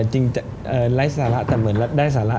จะไร้สาระแต่เหมือนได้สาระ